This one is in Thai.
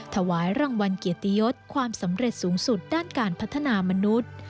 ถวายรางวัลเกียรติยศความสำเร็จสูงสุดด้านการพัฒนามนุษย์